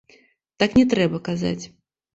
Так не трэба казаць.